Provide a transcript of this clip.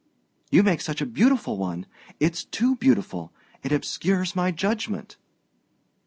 "You make such a beautiful one! It's too beautiful it obscures my judgment."